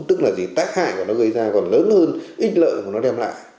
tức là tác hại của nó gây ra còn lớn hơn ít lợi của nó đem lại